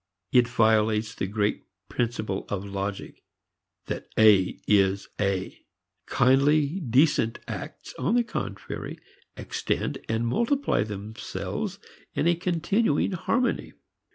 It violates the great principle of logic that A is A. Kindly, decent acts, on the contrary, extend and multiply themselves in a continuing harmony.